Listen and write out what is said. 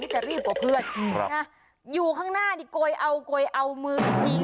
ใครจะรีบกับเพื่อนอยู่ข้างหน้าโกยเอาโกยเอามืออีกที